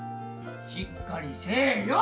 しっかりせえよ！